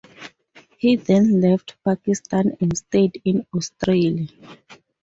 He then left Pakistan and stayed in Australia.